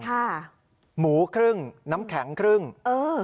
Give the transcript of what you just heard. ค่ะหมูครึ่งน้ำแข็งครึ่งเออ